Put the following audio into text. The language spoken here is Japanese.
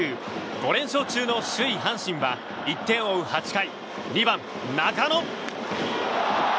５連勝中の首位・阪神は１点を追う８回、２番、中野。